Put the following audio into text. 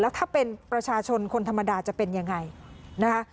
แล้วถ้าเป็นประชาชนคนธรรมดาจะเป็นอย่างไร